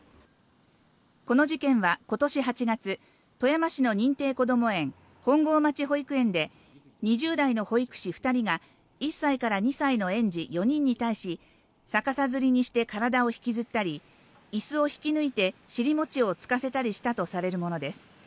この事件はことし８月、富山市の認定こども園、本郷町保育園で、２０代の保育士２人が１歳から２歳の園児４人に対し、逆さづりにして体を引きずったり、いすを引き抜いて、尻餅をつかせたりしたとされるものです。